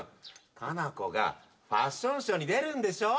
夏菜子がファッションショーに出るんでしょ。